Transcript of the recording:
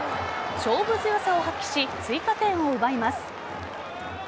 勝負強さを発揮し追加点を奪います。